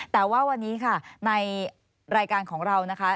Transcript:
แต่ว่าวันนี้ค่ะในรายการของเรานะคะ